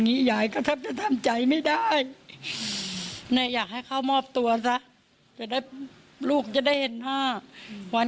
งี้ยายก็ทำใจไม่ได้อยากให้เขามอบตัวลูกจะได้เห็นวัน